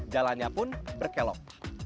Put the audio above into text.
jalannya pun berkelok